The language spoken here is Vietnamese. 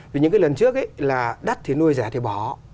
vì những cái lần trước là đắt thì nuôi rẻ thì bỏ